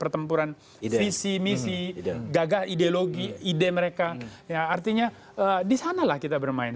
pertempuran visi misi gagah ideologi ide mereka artinya di sanalah kita bermain